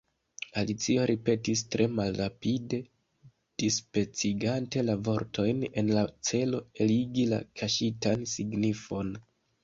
Alicio ripetis tre malrapide, dispecigante la vortojn en la celo eligi la kaŝitan signifon.